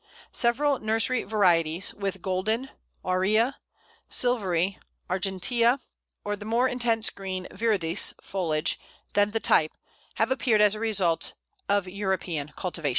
Several nursery varieties with golden (aurea), silvery (argentea), or more intense green (viridis) foliage than the type have appeared as a result of European cultivation.